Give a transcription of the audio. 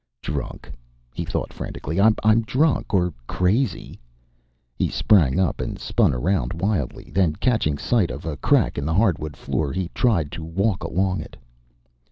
"Drunk," he thought frantically. "I'm drunk or crazy!" He sprang up and spun around wildly; then catching sight of a crack in the hardwood floor he tried to walk along it.